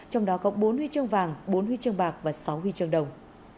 trong đó có bốn huy chương vàng bốn huy chương bạc và sáu huy chương đồng